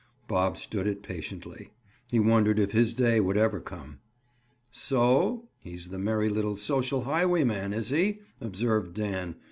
Bob stood it patiently. He wondered if his day would ever come. "So?— He's the merry little social highwayman, is he?" observed Dan.